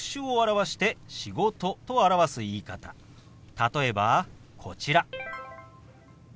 例えばこちら。